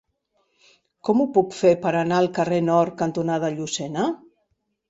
Com ho puc fer per anar al carrer Nord cantonada Llucena?